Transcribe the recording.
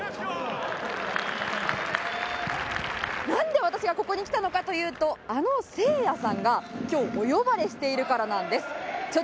なんで私がここに来たのかというとあのせいやさんが今日お呼ばれしているからなんです。